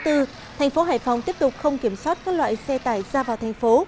thành phố hải phòng tiếp tục không kiểm soát các loại xe tải ra vào thành phố